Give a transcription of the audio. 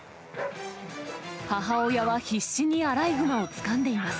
母親は必死にアライグマをつかんでいます。